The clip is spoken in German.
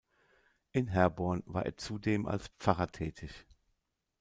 In Herborn war er zudem als Pfarrer tätig.